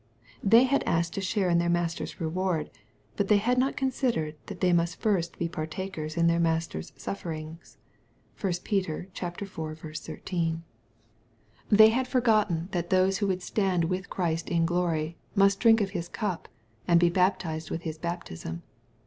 They had asked to share in their Master's reward, but they had not considered that they must first be partakers in their Master's sufferings. (1 Pet. iv. 13.) They had for* 254 EXPOSITOBT THOUGHTS. gotten that those who would stand with Christ in glory^ must drink of His cup, and be baptized with His baptism.